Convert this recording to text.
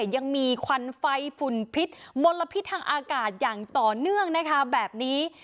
ยังมีควันไฟฝุ่นพิษมลพิษทางอากาศอย่างต่อเนื่องนะคะแบบนี้